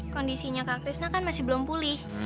kondisinya kak krisna kan masih belum pulih